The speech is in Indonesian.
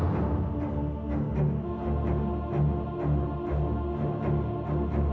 kita harus rajin nabung emas walaupun cuma sedikit